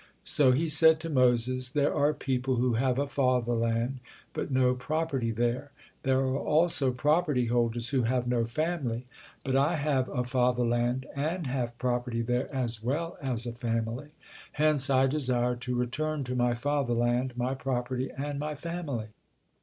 So he said to Moses: "There are people who have a fatherland, but no property there; there are also property holders who have no family; but I have a fatherland, and have property there as well as a family; hence I desire to return to my fatherland, my property, and my family."